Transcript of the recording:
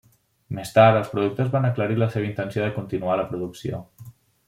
Més tard els productors van aclarir la seva intenció de continuar la producció.